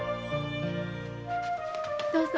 どうぞ。